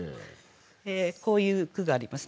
こういう句があります。